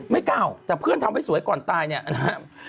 ไม่ก้าวแต่เพื่อนทำให้สวยก่อนตายเนี่ยนะครับ